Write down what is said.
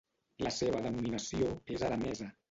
La seva denominació és aranesa.